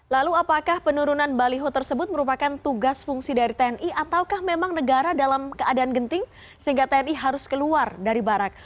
lalu apakah penurunan baliho tersebut merupakan tugas fungsi dari tni ataukah memang negara dalam keadaan genting sehingga tni harus keluar dari barak